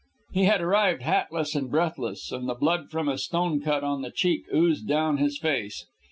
He had arrived hatless and breathless, and the blood from a stone cut on the cheek oozed down his face.